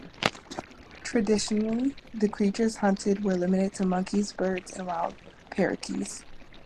Traditionally, the creatures hunted were limited to monkeys, birds, and wild peccaries.